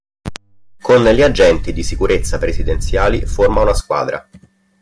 Con gli agenti di sicurezza presidenziali forma una squadra.